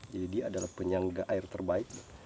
dia adalah penyangga air terbaik